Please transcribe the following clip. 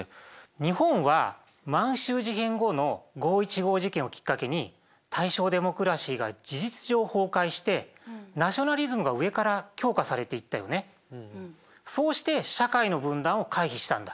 日本は満洲事変後の五・一五事件をきっかけに大正デモクラシーが事実上崩壊してそうして社会の分断を回避したんだ。